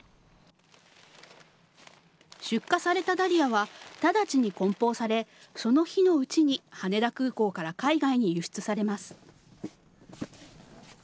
出荷されたダリアは、直ちにこん包され、その日のうちに羽田空港から海外に輸出されます。